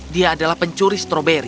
dia adalah pencuri stroberi